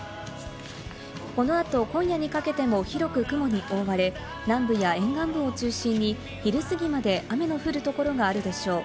このあと今夜にかけても広く雲に覆われ、南部や沿岸部を中心に昼すぎまで雨の降るところがあるでしょう。